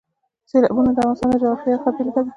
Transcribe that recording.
سیلابونه د افغانستان د جغرافیې یوه ښه بېلګه ده.